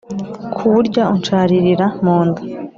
kuwurya unsharirira mu nda